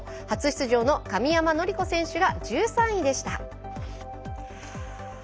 初出場の神山則子選手が１３位でした。